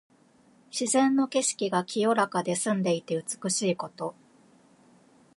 自然の景色が清らかで澄んでいて美しいこと。